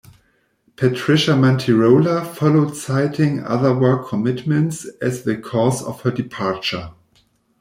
Patricia Manterola followed citing other work commitments as the cause of her departure.